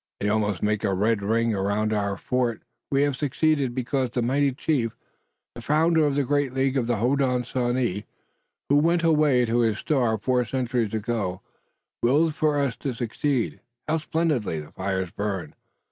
"They almost make a red ring around our fort. We have succeeded because the mighty chief, the founder of the great League of the Hodenosaunee, who went away to his star four centuries ago, willed for us to succeed. How splendidly the fires burn!